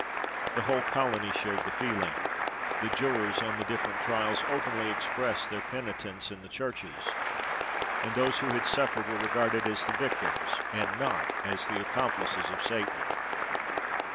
The whole colony shared the feeling; the jurors on the different trials openly expressed their penitence in the churches; and those who had suffered were regarded as the victims, and not as the accomplices of Satan.